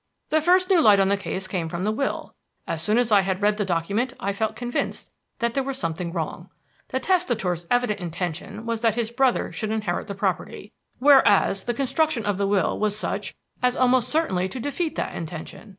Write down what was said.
"The first new light on the case came from the will. As soon as I had read the document I felt convinced that there was something wrong. The testator's evident intention was that his brother should inherit the property, whereas the construction of the will was such as almost certainly to defeat that intention.